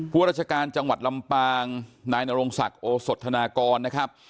ราชการจังหวัดลำปางนายนรงศักดิ์โอสธนากรนะครับ